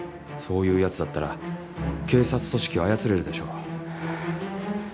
そういうヤツだったら警察組織を操れるでしょう。